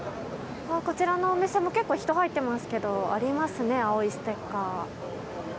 こちらのお店も結構人が入ってますけどありますね、青いステッカー。